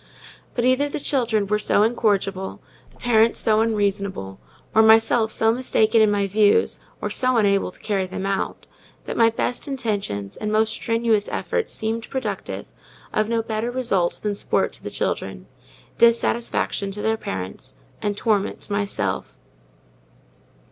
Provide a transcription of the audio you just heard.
But either the children were so incorrigible, the parents so unreasonable, or myself so mistaken in my views, or so unable to carry them out, that my best intentions and most strenuous efforts seemed productive of no better result than sport to the children, dissatisfaction to their parents, and torment to myself.